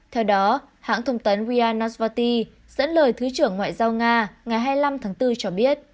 theo đó hãng thông tấn ria nasvati dẫn lời thứ trưởng ngoại giao nga ngày hai mươi năm tháng bốn cho biết